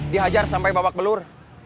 dia hajar sampai babak belur